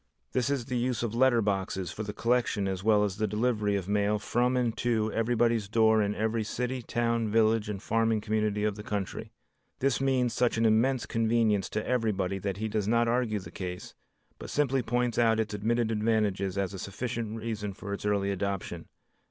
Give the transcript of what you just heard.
This is the use of letter boxes for the collection as well as the delivery of mail from and to everybody's door in every city, town, village and farming community of the country. This means such an immense convenience to everybody that he does not argue the case, but simply points out its admitted advantages as a sufficient reason for its early adoption.